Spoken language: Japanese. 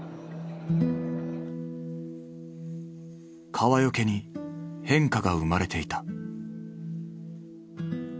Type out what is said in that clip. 川除に変化が生まれていた。